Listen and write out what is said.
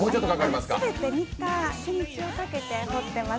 全て３日、日にちをかけて彫ってます。